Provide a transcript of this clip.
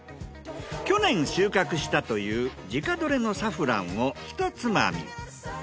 去年収穫したという自家採れのサフランをひとつまみ。